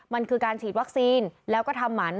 มันคือการฉีดวัคซีนแล้วก็ทำหมัน